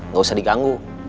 gak usah diganggu